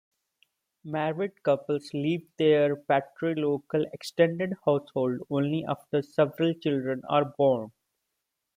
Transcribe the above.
Married couples leave their patrilocal extended household only after several children are born.